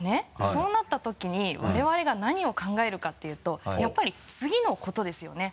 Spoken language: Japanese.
そうなったときに我々が何を考えるかっていうとやっぱり次のことですよね。